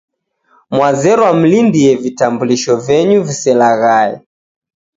Mwazerwa mlindie vitambulisho venyu viselaghae